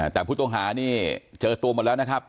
แต่ผู้ต้องหานี่เจอตัวหมดแล้วนะครับ